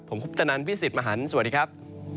ผมคุปตนันพี่สิทธิ์มหันฯสวัสดีครับ